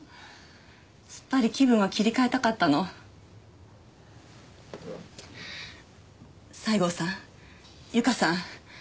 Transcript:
すっぱり気分を切り替えたかったの西郷さん・由香さん